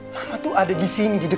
mama tuh ada disini di dekat aku